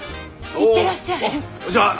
行ってらっしゃい！